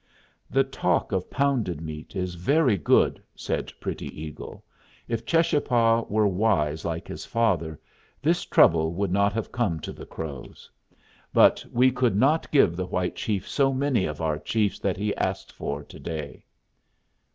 "The talk of Pounded Meat is very good," said Pretty Eagle. "If Cheschapah were wise like his father, this trouble would not have come to the Crows. But we could not give the white chief so many of our chiefs that he asked for to day."